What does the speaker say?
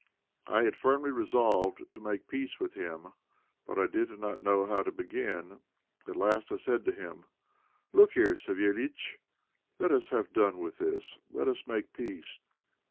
I had firmly resolved to make peace with him, but I did not know how to begin. At last I said to him "Look here, Savéliitch, let us have done with all this; let us make peace."